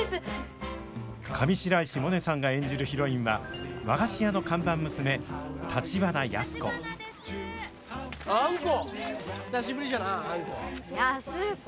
上白石萌音さんが演じるヒロインは和菓子屋の看板娘橘安子久しぶりじゃなあんこ。